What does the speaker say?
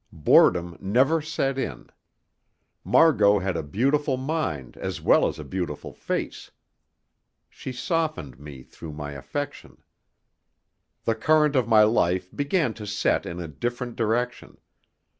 Boredom never set in. Margot had a beautiful mind as well as a beautiful face. She softened me through my affection. The current of my life began to set in a different direction.